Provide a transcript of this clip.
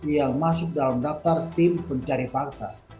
yang masuk dalam daftar tim pencari fakta